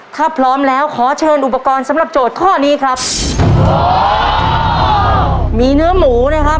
ถ้าพร้อมแล้วขอเชิญอุปกรณ์สำหรับโจทย์ข้อนี้ครับมีเนื้อหมูนะครับ